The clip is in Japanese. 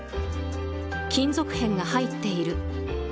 金属片が入っている。